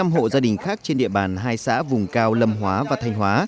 bốn mươi năm hộ gia đình khác trên địa bàn hai xã vùng cao lâm hóa và thanh hóa